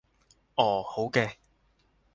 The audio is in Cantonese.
哦，好嘅